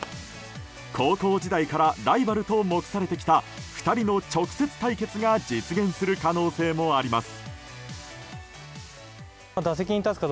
高校時代からライバルと目されてきた２人の直接対決が実現する可能性もあります。